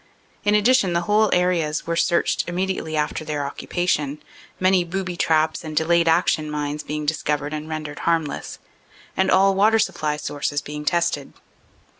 In addition, the whole areas were searched immediately after their occupation, many "booby traps" and THE ADVANCE ON DENAIN 343 delayed action mines being discovered and rendered harmless, and all water supply sources being tested.